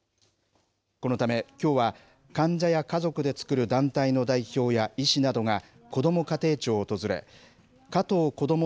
このため、きょうは患者や家族でつくる団体の代表や医師などがこども家庭庁を訪れ加藤こども